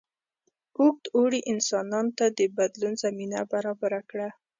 اوږد اوړي انسانانو ته د بدلون زمینه برابره کړه.